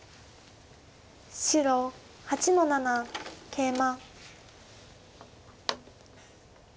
白８の七ケイマ。